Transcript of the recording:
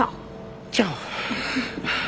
じゃあ。